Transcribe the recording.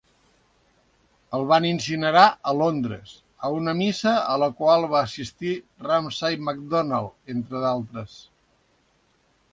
El van incinerar a Londres a una missa a la qual va assistir Ramsay MacDonald entre altres.